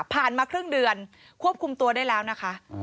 มาครึ่งเดือนควบคุมตัวได้แล้วนะคะ